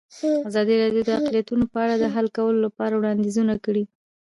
ازادي راډیو د اقلیتونه په اړه د حل کولو لپاره وړاندیزونه کړي.